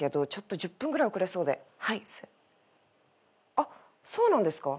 あっそうなんですか。